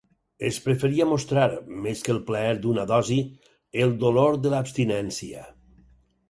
Es preferia mostrar -més que el plaer d'una dosi- el dolor de l'abstinència.